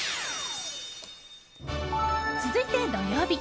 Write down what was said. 続いて土曜日。